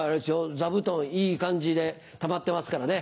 座布団いい感じでたまってますからね。